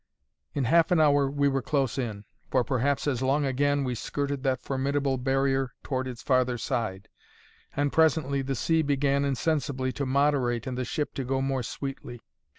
In half an hour we were close in; for perhaps as long again, we skirted that formidable barrier toward its farther side; and presently the sea began insensibly to moderate and the ship to go more sweetly.